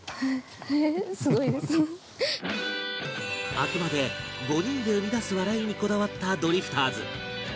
あくまで５人で生み出す笑いにこだわったドリフターズ